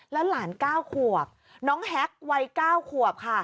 และหลานก้าวขวบน้องแฮ็กวัย๙ควบ